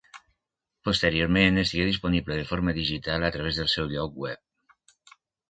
Posteriorment estigué disponible de forma digital a través del seu lloc web.